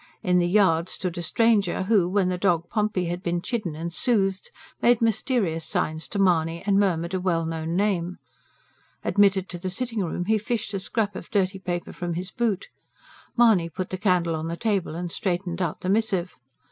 In the yard stood a stranger who, when the dog Pompey had been chidden and soothed, made mysterious signs to Mahony and murmured a well known name. Admitted to the sitting room he fished a scrap of dirty paper from his boot. Mahony put the candle on the table and straightened out the missive.